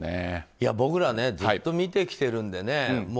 僕ら、ずっと見てきてるんでね。